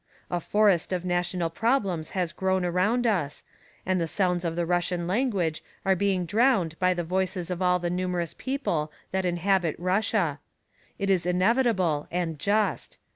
A forest of national problems has grown around us, and the sounds of the Russian language are being drowned by the voices of all the numerous peoples that inhabit Russia. It is inevitable and just.